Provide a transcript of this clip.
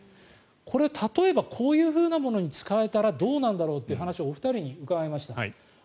これ、例えばこういうものに使えたらどうなんだろうという話をお二人に伺いました。